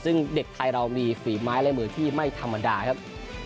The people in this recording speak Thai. ซึ่งเด็กไทยเรามีฝีไม้และมือที่ไม่ธรรมดาครับ